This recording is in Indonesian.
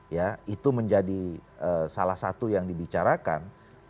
ya itu menjadi salah satu yang dibicarakan